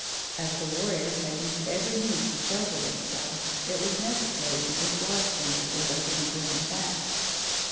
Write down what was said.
As the warriors had used every means to shelter themselves, it was necessary to dislodge them before they could be driven back.